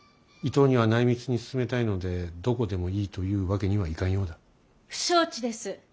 伊東には内密に進めたいのでどこでもいいというわけにはいかんようだ。不承知です。